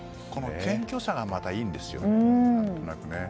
この謙虚さがまたいいんですよ。